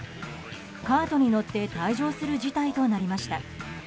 カートに乗って退場する事態となりました。